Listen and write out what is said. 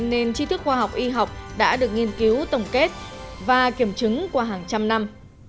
nên chi thức khoa học y học đã được nghiên cứu tổng kết và kiểm chứng qua hàng trăm năm